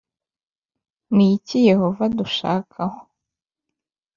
Ni iki Yehova adushakaho